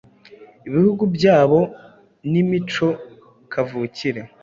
ibihugu byabo n'imico kavukire: